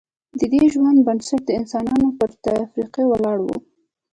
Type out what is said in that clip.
ددې ژوند بنسټ د انسانانو پر تفرقې ولاړ و